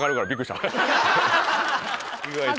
意外と。